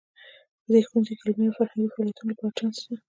په دې ښوونځي کې د علمي او فرهنګي فعالیتونو لپاره چانس شته